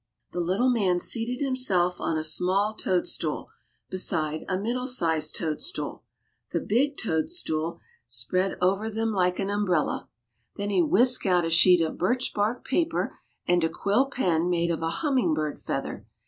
The Little Man seated himself on a small toadstool, beside a middle sized toadstool. The big toadstool spread 152 THE CHILDREN'S WONDER BOOK. over them like an umbrella. Then he whisked out a sheet of birch bark paper, and a quill pen made of a humming bird feather.